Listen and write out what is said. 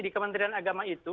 di kementerian agama itu